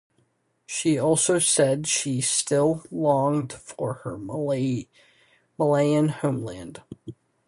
She also said she still longed for her Malayan homeland.